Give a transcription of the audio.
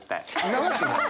なわけない！